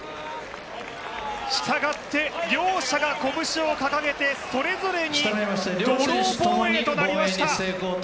したがって両者が拳を掲げてそれぞれにドロー防衛となりました。